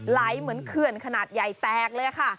ไหลเหมือนเขื่อนขนาดใหญ่แตกเลยค่ะ